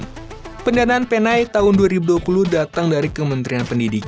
sekretariat pendidikan kota efekseitaran program jalan jalan yang diperlihat ke geldulang mengundangi